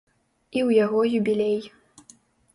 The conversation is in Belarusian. І ў яго юбілей.